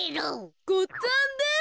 ごっつぁんです。